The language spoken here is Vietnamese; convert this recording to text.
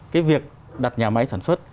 cái việc đặt nhà máy sản xuất